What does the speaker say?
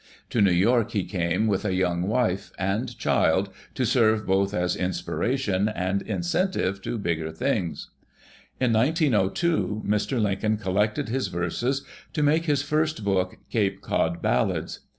To New York he came, with a young wife and child to serve both as inspiration and incentive to bigger things. In 1902, Mr. Lincoln collected his verses to make his first book, "Cape Cod Ballads."